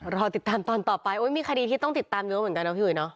รอติดตามตอนต่อไปมีคดีที่ต้องติดตามเยอะเหมือนกันนะพี่อุ๋ยเนาะ